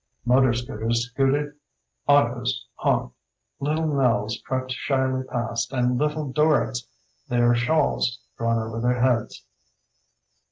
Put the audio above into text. Motor scooters scoot ed, autos honked. Little Nells crept shyly past and Little Dorrits, their shawls drawn over their heads.